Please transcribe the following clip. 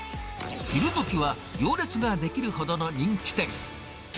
昼どきは行列が出来るほどの人気店。